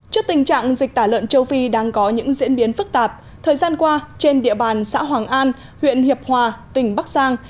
trước tình trạng dịch tả lợn châu phi đang có những diễn biến phức tạp thời gian qua trên địa bàn xã hoàng an huyện hiệp hòa tỉnh bắc giang